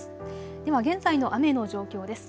では現在の雨の状況です。